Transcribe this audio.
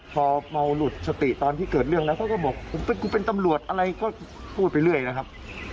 พอเมาหลุดสติตอนที่เกิดเรื่องแล้วเขาก็บอกกูเป็นตำรวจอะไรก็พูดไปเรื่อยนะครับ